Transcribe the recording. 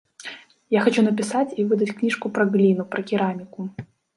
Я хачу напісаць і выдаць кніжку пра гліну, пра кераміку.